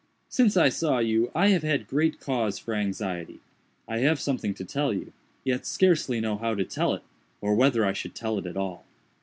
Since I saw you I have had great cause for anxiety. I have something to tell you, yet scarcely know how to tell it, or whether I should tell it at all.